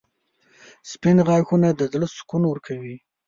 • سپین غاښونه د زړه سکون ورکوي.